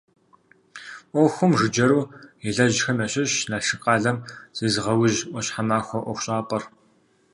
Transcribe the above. Ӏуэхум жыджэру елэжьхэм ящыщщ Налшык къалэм зезыгъэужь «ӏуащхьэмахуэ» ӀуэхущӀапӀэр.